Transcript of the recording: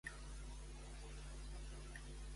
Què han il·lustrat els Mossos d'Esquadra?